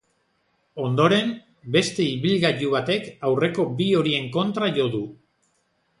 Ondoren, beste ibilgailu batek aurreko bi horien kontra jo du.